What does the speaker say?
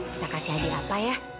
kita kasih haji apa ya